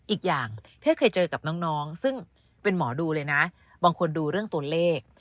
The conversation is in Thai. อีกอย่างถ้าเคยเจอกับน้องซึ่งเป็นหมอดูเลยนะบางคนดูเรื่องตัวเลข